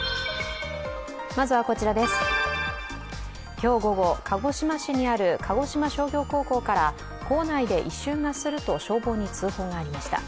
今日午後、鹿児島市にある鹿児島商業高校から校内で異臭がすると消防に通報がありました。